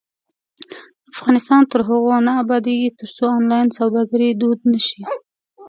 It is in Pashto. افغانستان تر هغو نه ابادیږي، ترڅو آنلاین سوداګري دود نشي.